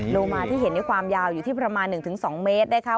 โลมาที่เห็นในความยาวอยู่ที่ประมาณ๑๒เมตรนะคะ